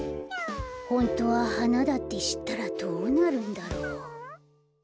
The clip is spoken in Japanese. ホントははなだってしったらどうなるんだろう？